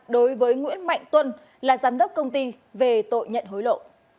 đối với nguyễn mạnh tuân là giám đốc công ty về tội nhận hối lộ